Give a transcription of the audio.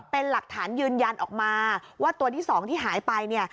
เป็นหลักฐานยืนยันออกมาว่าตัวที่สองที่หายไปเนี่ย